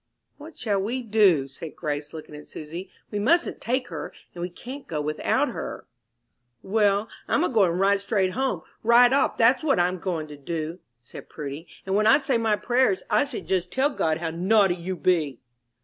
"What shall we do?" said Grace, looking at Susy; "we mustn't take her, and we can't go without her." "Well, I'm a goin' right straight home, right off that's what I'm goin' to do," said Prudy, "and when I say my prayers, I shall just tell God how naughty you be!"